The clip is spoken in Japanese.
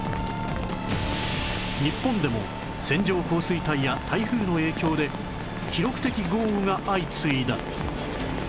日本でも線状降水帯や台風の影響で記録的豪雨が相次いだ